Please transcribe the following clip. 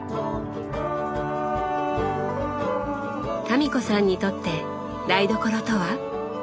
民子さんにとって台所とは？